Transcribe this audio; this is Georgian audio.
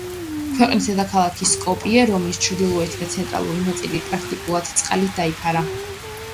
ყველაზე მეტად დაზარალდა ქვეყნის დედაქალაქი სკოპიე, რომლის ჩრდილოეთი და ცენტრალური ნაწილი პრაქტიკულად წყლით დაიფარა.